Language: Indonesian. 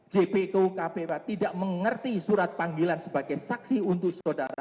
jpu kpw tidak mengerti surat panggilan sebagai saksi untuk saudara